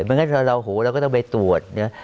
ไม่งั้นเราก็ต้องไปตรวจ